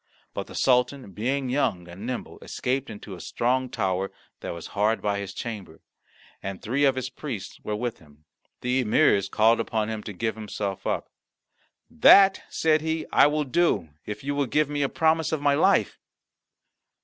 But the Sultan, being young and nimble, escaped into a strong tower that was hard by his chamber, and three of his priests were with him. The emirs called upon him to give himself up. "That," said he, "I will do, if you will give me a promise of my life."